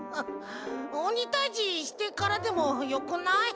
おにたいじしてからでもよくない？